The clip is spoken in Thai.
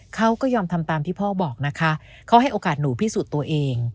เขาก็ยอมทำตามที่พ่อบอกนะคะเขาให้โอกาสหนูพิสูจน์ตัวเอง